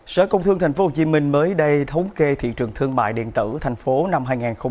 sở công thương thành phố hồ chí minh mới đây thống kê thị trường thương mại điện tử thành phố năm hai nghìn hai mươi ba